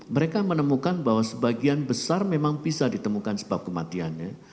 mereka menemukan bahwa sebagian besar memang bisa ditemukan sebab kematiannya